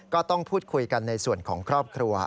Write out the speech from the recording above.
ก็ต้องพูดคุยกันในส่วนของครอบครัว